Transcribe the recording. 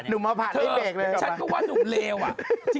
หนุ่มเราผ่านไปเบรกเลยฉันก็ว่าหนุ่มร้าย